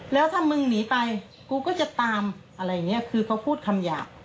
แล้วถ้ามึงหนีไปกูก็จะตามอะไรอย่างนี้คือเขาพูดคำหยาบ